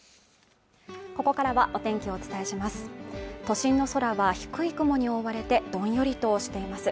ここからはお天気をお伝えします都心の空は低い雲に覆われてどんよりとしています